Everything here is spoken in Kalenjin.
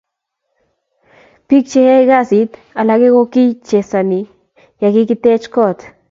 Bik che yaekasit alake kokichesani yakikiteche kot.